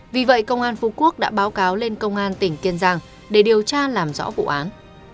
vì vậy công an phú quốc đã báo cáo lên công an tỉnh kiên giang để điều tra làm rõ vụ án